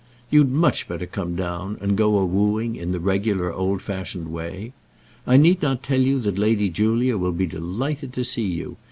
You'd much better come down, and go a wooing in the regular old fashioned way. I need not tell you that Lady Julia will be delighted to see you.